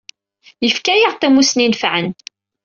Yefka-aɣ-d tamussni inefɛen.